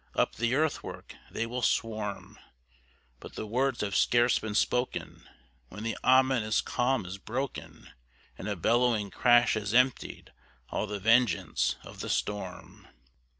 up the earthwork they will swarm! But the words have scarce been spoken, when the ominous calm is broken, And a bellowing crash has emptied all the vengeance of the storm!